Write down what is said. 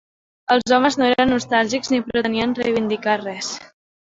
Els homes no eren nostàlgics ni pretenien reivindicar res.